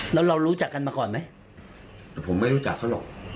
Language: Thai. แล้วเรารู้จักกันมาก่อนไหมแต่ผมไม่รู้จักเขาหรอก